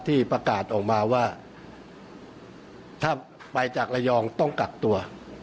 ที่ประกาศออกมาว่าถ้าไปจากระยองต้องกักตัว